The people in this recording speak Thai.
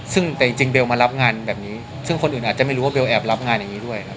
ซึ่งแต่จริงเบลมารับงานแบบนี้ซึ่งคนอื่นอาจจะไม่รู้ว่าเบลแอบรับงานอย่างนี้ด้วยครับ